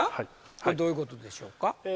これどういうことでしょうか？